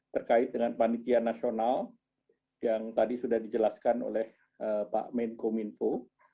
terkait dengan panitia nasional yang tadi sudah dijelaskan oleh pak menko minfo